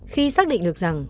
khi xác định được rằng